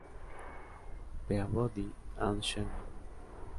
Peabody and Sherman".